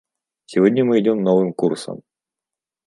Сегодня мы идем новым курсом.